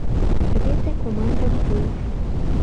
Рвезе командым пуыш: